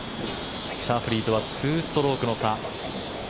シャフリーとは２ストロークの差。